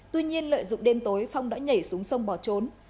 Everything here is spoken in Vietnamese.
tuy nhiên lợi dụng đêm tối phong đã nhảy xuống sông bỏ trốn